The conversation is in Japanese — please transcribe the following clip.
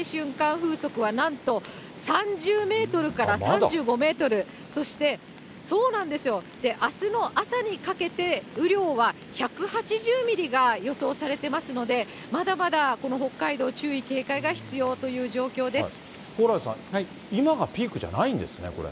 風速は、なんと３０メートルから３５メートル、そして、あすの朝にかけて、雨量は１８０ミリが予想されてますので、まだまだこの北海道、注意、蓬莱さん、今がピークじゃないんですね、これ。